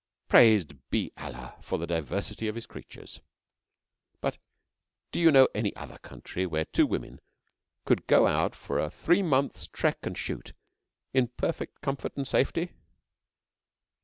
Praised be Allah for the diversity of His creatures! But do you know any other country where two women could go out for a three months' trek and shoot in perfect comfort and safety?